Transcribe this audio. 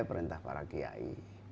perintah para giai